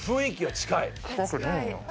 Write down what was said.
近くないよ。